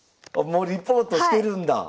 あもうリポートしてるんだ。